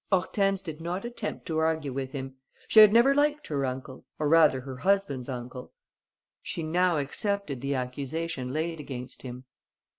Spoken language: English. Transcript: Hortense did not attempt to argue with him. She had never liked her uncle, or rather her husband's uncle. She now accepted the accusation laid against him.